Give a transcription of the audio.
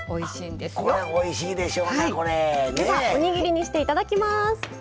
ではおにぎりにしていただきます。